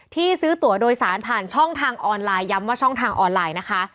ที่ซื้อตัวโดยสารผ่านช่องทางออนไลน์ย้ำว่าช่องทางออนไลน์นะคะ